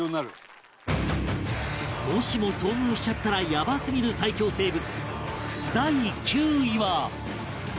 もしも遭遇しちゃったらヤバすぎる最恐生物